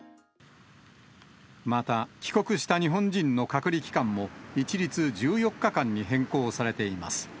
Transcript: また、帰国した日本人の隔離期間も、一律１４日間に変更されています。